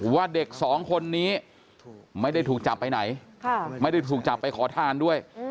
ว่าเด็กสองคนนี้ไม่ได้ถูกจับไปไหนไม่ได้ถูกจับไปขอทานด้วย